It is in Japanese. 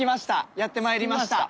やって参りました。